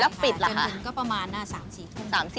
แล้วปิดเหรอคะจนถึงก็ประมาณ๓๔ทุ่ม